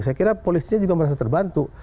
saya kira polisinya juga merasa terbantu